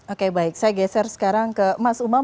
oke baik saya geser sekarang ke mas umam